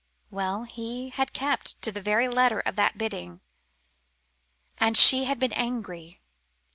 Well, he had kept to the very letter of that bidding, and she had been angry.